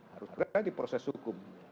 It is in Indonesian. harus kerja di proses hukum